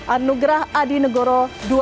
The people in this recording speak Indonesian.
anugerah adi negoro dua ribu dua puluh